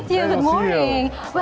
saya senang bertemu dengan anda